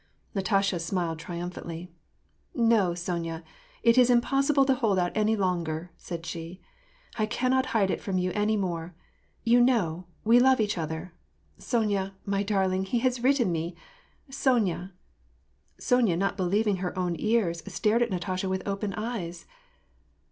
Natasha smiled triumphantly. ''No, Sonya^ it is impossible to hold out any longer," said she. '' I cannot hide it from you any more. You know, we love each other. — Sonya, my darling, he has written me — Sonya "— Sonya, not believing her own ears, stared at Natasha with open eyes.